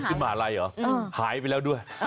ขึ้นมหาลัยเหรอหายไปแล้วด้วย